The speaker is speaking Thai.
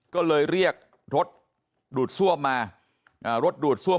ก็เลยเรียกรถดูดซ่วมมาอ่ารถดูดซ่วม